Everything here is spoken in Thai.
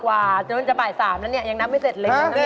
กว่าจนจะบ่าย๓แล้วเนี่ยยังนับไม่เสร็จเลยนะ